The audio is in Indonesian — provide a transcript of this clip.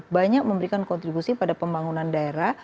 banyak memberikan kontribusi pada pembangunan daerah